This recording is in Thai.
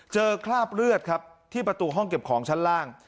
คราบเลือดครับที่ประตูห้องเก็บของชั้นล่าง